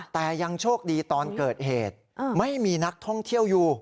แต่ยังโชคดีตอนเกิดเหตุไม่มีนักท่องเที่ยวอยู่